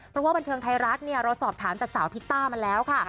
เพราะว่าบันเทิงไทยรัฐเราสอบถามจากสาวพิตต้ามาแล้วค่ะ